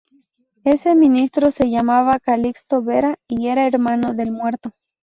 Ese ministro se llamaba Calixto Vera y era hermano del muerto.